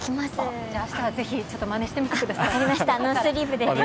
明日はぜひまねしてみてください。